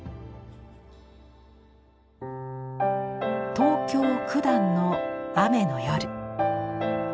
東京九段の雨の夜。